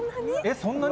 そんなに？